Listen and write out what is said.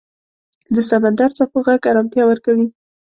د سمندر څپو غږ آرامتیا ورکوي.